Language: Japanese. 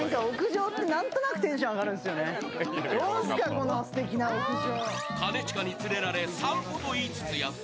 このすてきな屋上。